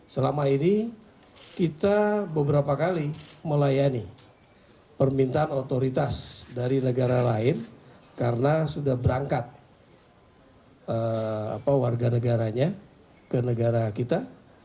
selama ini kita beberapa kali melayani permintaan otoritas dari negara lain karena sudah berangkat warga negaranya ke negara kita